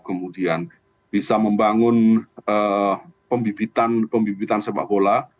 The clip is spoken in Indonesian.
kemudian bisa membangun pembibitan sepak bola